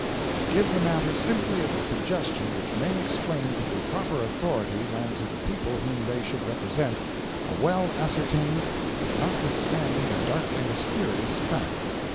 I give the matter simply as a suggestion which may explain to the proper authorities and to the people whom they should represent, a well ascertained but notwithstanding a darkly mysterious fact.